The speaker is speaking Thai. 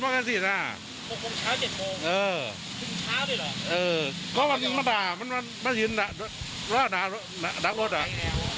มันนี่ก็เห็นอย่างงั้น